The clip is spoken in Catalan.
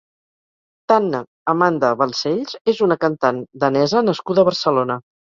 Tanne Amanda Balcells és una cantant danesa nascuda a Barcelona.